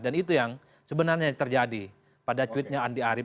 dan itu yang sebenarnya terjadi pada tweetnya andi ari